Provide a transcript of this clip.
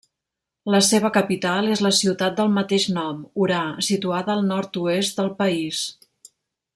La seva capital és la ciutat del mateix nom, Orà, situada al nord-oest del país.